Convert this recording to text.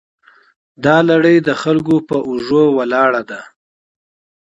دا لړۍ د خلکو په اوږو ولاړه ده.